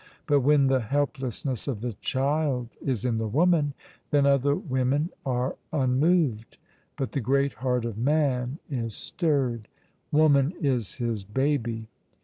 But when the helplessness of the child is in the woman, then other women are unmoved; but the great heart of man is stirred woman is his baby.